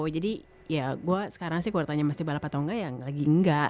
jadi ya gue sekarang sih kalau ditanya masih balap atau nggak ya lagi nggak